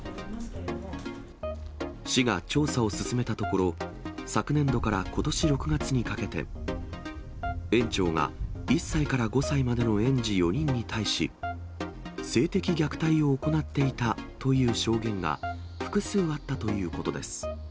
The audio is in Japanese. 市が調査を進めたところ、昨年度からことし６月にかけて、園長が１歳から５歳までの園児４人に対し、性的虐待を行っていたという証言が、複数あったということです。